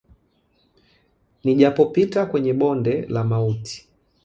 Nijapopita kwenye ubonde la mauti.